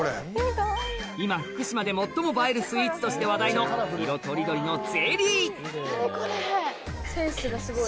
今福島で最も映えるスイーツとして話題の色とりどりのゼリーセンスがすごい。